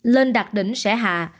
lên đặt đỉnh sẽ hạ